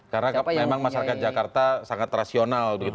karena memang masyarakat jakarta sangat rasional